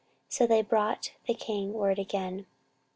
So they brought the king word again.